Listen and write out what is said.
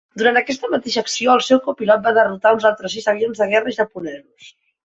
Durant aquesta mateixa acció, el seu copilot va derrotar uns altres sis avions de guerra japonesos.